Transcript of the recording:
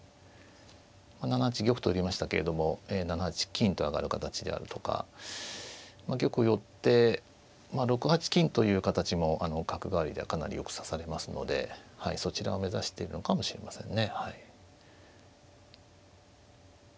７八玉と寄りましたけれども７八金と上がる形であるとかまあ玉を寄って６八金という形も角換わりではかなりよく指されますのでそちらを目指しているのかもしれませんね。